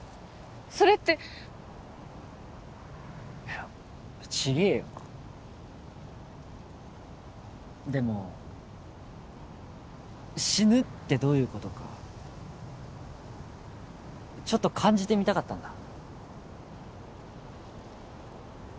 それっていや違えよでも死ぬってどういうことかちょっと感じてみたかったんだ